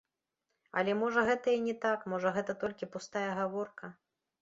Але можа гэта і не так, можа гэта толькі пустая гаворка.